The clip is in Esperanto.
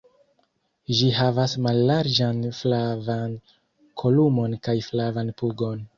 Ĝi havas mallarĝan flavan kolumon kaj flavan pugon.